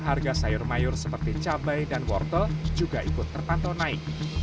harga sayur mayur seperti cabai dan wortel juga ikut terpantau naik